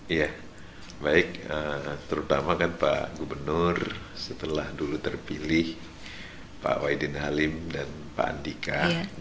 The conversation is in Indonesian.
iya baik terutama kan pak gubernur setelah dulu terpilih pak waidin halim dan pak andika dua ribu tujuh belas